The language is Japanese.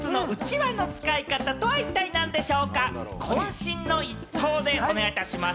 こん身の一答でお願いします。